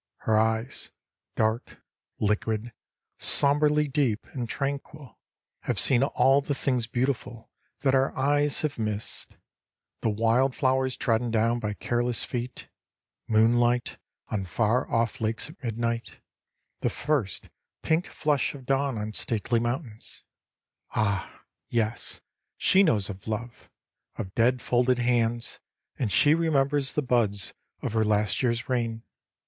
Her eyes, dark, liquid, somberly deep and tranquil, have seen all the things beautiful that our eyes have missed—the wild flowers trodden down by careless feet; moonlight on far off lakes at midnight; the first pink flush of dawn on stately mountains. Ah, yes, she knows of Love; of dead folded hands, and she remembers the buds of her last year's reign.